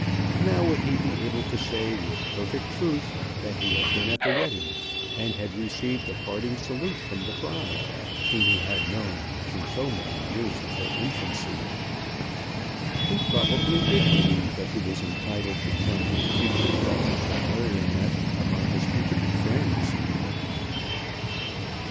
Now would he be able to say with perfect truth that he had been at the wedding, and had received a parting salute from the bride; whom he had known through so many years of her infancy. He probably did believe that he was entitled to count the future Duchess of Merioneth among his intimate friends.